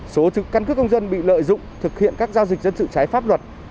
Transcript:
số căn cước công dân bị lợi dụng thực hiện các giao dịch dân sự trái pháp luật